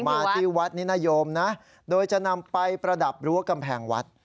มาที่วัดนินโยมนะโดยจะนำไปประดับรั้วกำแพงวัด